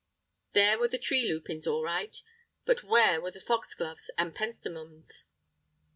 There were the tree lupins all right! But where were the foxgloves and pentstemons?